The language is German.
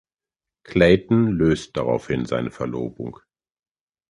Clayton löst daraufhin seine Verlobung.